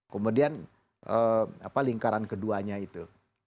kemudian lingkaran keduanya itu